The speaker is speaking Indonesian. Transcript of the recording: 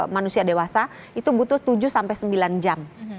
manusia dewasa itu butuh tujuh sembilan jam